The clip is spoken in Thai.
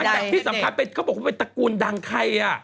แต่ที่สำคัญเขาบอกว่าเป็นตระกูลดังใครอ่ะ